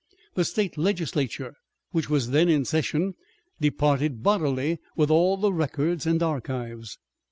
The State Legislature, which was then in session, departed bodily with all the records and archives.